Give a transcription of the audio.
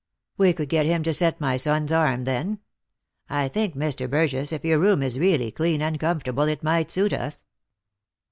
" We could get him to set my son's arm, then. I think, Mr. Burgess, if your room is really clean and comfortable it might suit us."